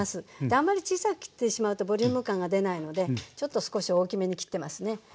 あまり小さく切ってしまうとボリューム感が出ないのでちょっと少し大きめに切ってますね。